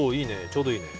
ちょうどいいね。